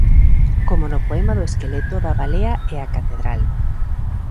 Como no poema do esqueleto da balea e a catedral.